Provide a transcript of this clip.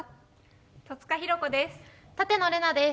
戸塚寛子です。